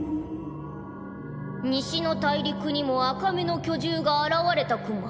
西の大陸にも赤目の巨獣が現れたクマ。